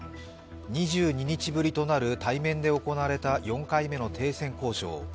２２日ぶりとなる対面で行われた４回目の停戦交渉。